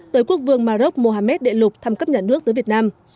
tới quốc vương mà rốc mohammed đệ lục thăm cấp nhà nước tới việt nam